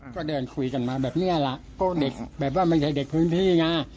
ก็เดินคุยกันมาแบบนี้แหละก็เด็กแบบว่าไม่ใช่เด็กพื้นที่ไง